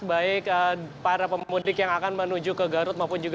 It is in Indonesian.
baik para pemudik yang akan menuju ke garut